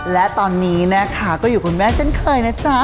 และตอนนี้นะคะก็อยู่คุณแม่เช่นเคยนะจ๊ะ